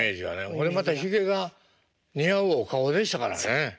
これまたヒゲが似合うお顔でしたからね。